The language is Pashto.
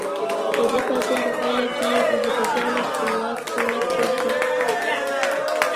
د دې پاڅون په پایله کې یې د هوتکیانو خپلواک دولت جوړ کړ.